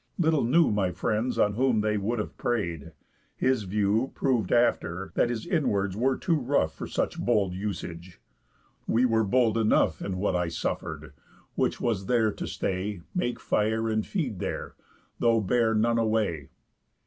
Little knew My friends on whom they would have prey'd. His view Prov'd after, that his inwards were too rough For such bold usage. We were bold enough In what I suffer'd; which was there to stay, Make fire and feed there, though bear none away.